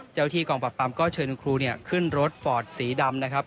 เจ้าที่กล่องปรับปรับก็เชิญคุณครูเนี่ยขึ้นรถฟอร์ตสีดำนะครับ